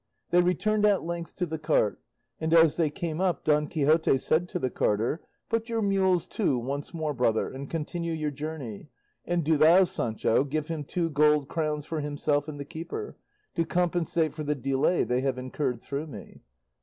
They returned at length to the cart, and as they came up, Don Quixote said to the carter, "Put your mules to once more, brother, and continue your journey; and do thou, Sancho, give him two gold crowns for himself and the keeper, to compensate for the delay they have incurred through me."